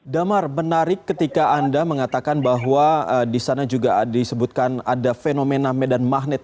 damar menarik ketika anda mengatakan bahwa di sana juga disebutkan ada fenomena medan magnet